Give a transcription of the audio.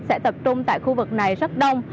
sẽ tập trung tại khu vực này rất đông